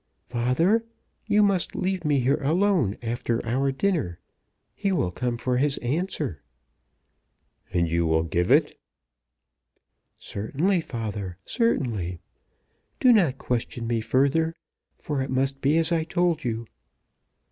"Father, you must leave me here alone after our dinner. He will come for his answer." "And you will give it?" "Certainly, father, certainly. Do not question me further, for it must be as I told you."